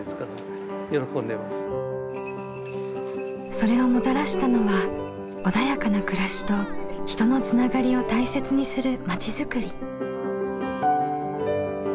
それをもたらしたのは穏やかな暮らしと人のつながりを大切にする町づくり。